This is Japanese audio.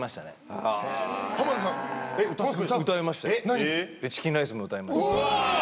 ・何？